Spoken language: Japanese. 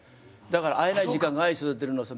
だから「会えない時間が愛育てるのさ」。